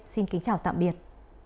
xin kính chào tạm biệt